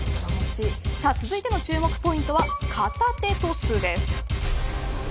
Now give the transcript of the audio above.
続いての注目ポイントは片手トスです。